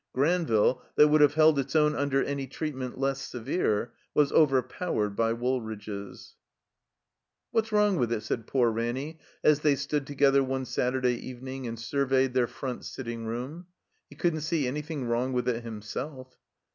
Granville, that would have held its own under any treatment less severe, was overpowered by Woolridge's. II' What's wrong with it?" said poor Ranny, as they stood together one Saturday evening and sur veyed their front sitting room. He couldn't see anything wrong with it himself.